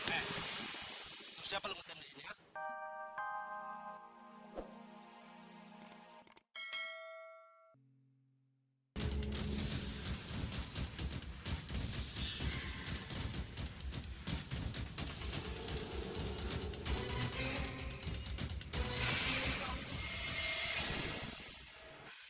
eh suruh siapa lo ngetem di sini ya